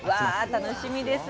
わ楽しみです。